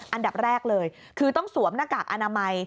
อันดับแรกเลยคือต้องสวมหน้ากากอนามัย